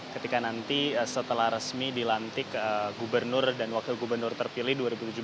ketika nanti setelah resmi dilantik gubernur dan wakil gubernur terpilih dua ribu tujuh belas dua ribu dua puluh dua